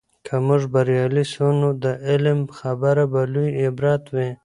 که موږ بریالي سو، نو د علم خبره به لوي عبرت وي.